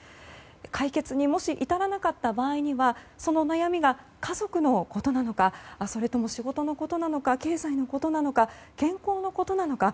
解決にもし至らなかった場合にはその悩みが家族のことなのかそれとも仕事のことなのか経済のことなのか健康のことなのか。